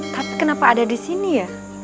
tapi kenapa ada disini ya